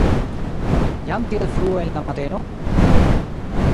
Jam tiel frue en la mateno?